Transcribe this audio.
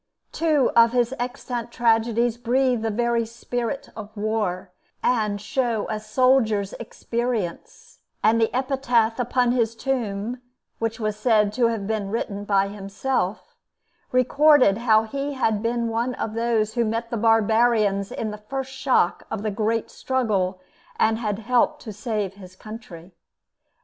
Two of his extant tragedies breathe the very spirit of war, and show a soldier's experience; and the epitaph upon his tomb, which was said to have been written by himself, recorded how he had been one of those who met the barbarians in the first shock of the great struggle and had helped to save his country.